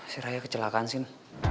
si raya kecelakaan sin